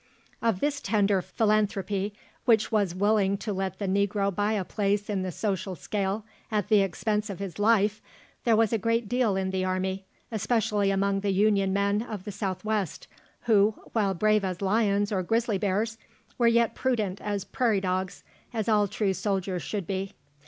Of this tender philanthropy, which was willing to let the negro buy a place in the social scale at the expense of his life, there was a great deal in the army, especially among the Union men of the South West, who, while brave as lions or grizzly bears, were yet prudent as prairie dogs, as all true soldiers should be.